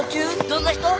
どんな人？